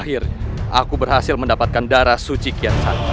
akhir aku berhasil mendapatkan darah suci kian santai